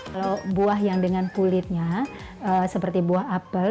kalau buah yang dengan kulitnya seperti buah apel